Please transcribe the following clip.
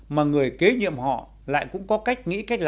mà người kế nhiệm họ lại cũng có cách